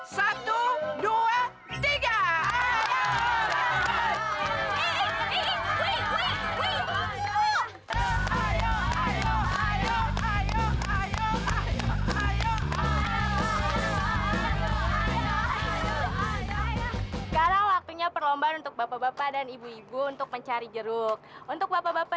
sekarang waktunya perlombaan untuk bapak bapak dan ibu ibu untuk mencari jeruk untuk bapak bapak